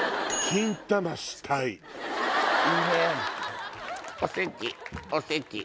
いいね！